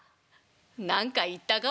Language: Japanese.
「何か言ったか？